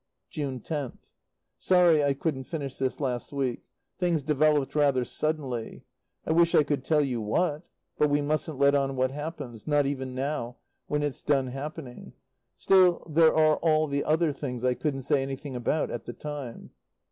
June 10th. Sorry I couldn't finish this last week. Things developed rather suddenly. I wish I could tell you what, but we mustn't let on what happens, not even now, when it's done happening. Still, there are all the other things I couldn't say anything about at the time.